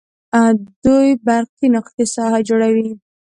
دوې برقي نقطې ساحه جوړوي.